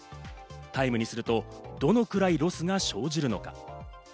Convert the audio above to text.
タイムにすると、どのくらいロスが生じるのか？